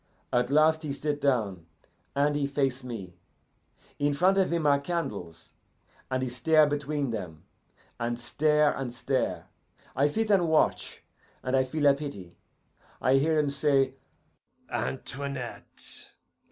At last he sit down, and he face me. In front of him are candles, and he stare between them, and stare and stare. I sit and watch, and I feel a pity. I hear him say, 'Antoinette!